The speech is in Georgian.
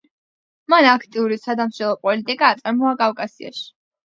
მან აქტიური, სადამსჯელო პოლიტიკა აწარმოა კავკასიაში.